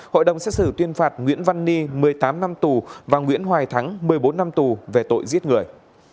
hội đồng xét xử tuyên phạt nguyễn văn ni một mươi tám năm tù và nguyễn hoài thắng một mươi bốn năm tù về tội giết người